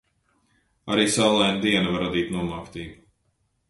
Arī saulaina diena var radīt nomāktību.